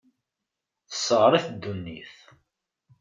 Tesseɣr-it ddunit.